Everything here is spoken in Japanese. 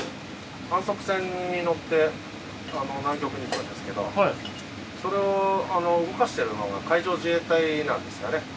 観測船に乗って南極に行くんですけどそれを動かしているのが海上自衛隊なんですよね。